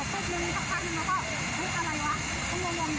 มองไปหน้าแล้วแค่ใส่เงินไป